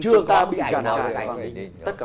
chưa có bức ảnh nào là bức ảnh đinh